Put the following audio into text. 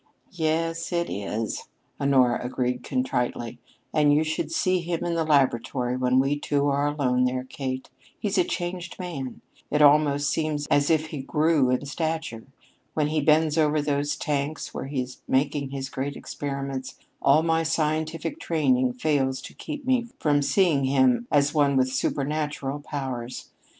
"Yes, it is," agreed Honora contritely, "and you should see him in the laboratory when we two are alone there, Kate! He's a changed man. It almost seems as if he grew in stature. When he bends over those tanks where he is making his great experiments, all of my scientific training fails to keep me from seeing him as one with supernatural powers.